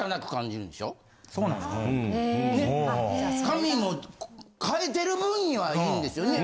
髪も生えてる分にはいいんですよね。